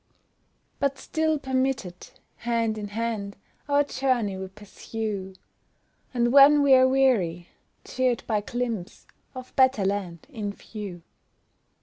But still permitted, hand in hand Our journey we pursue; And when we're weary, cheered by glimpse Of "better land" in view.